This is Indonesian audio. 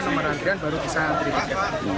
nomor randian baru bisa dikendalikan